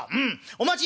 『お待ち。